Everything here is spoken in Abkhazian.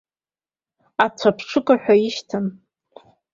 Ацәаԥҽыга ҳәа ишьҭан.